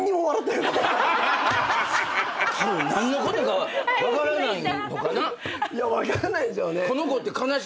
たぶん何のことか分からないのかな。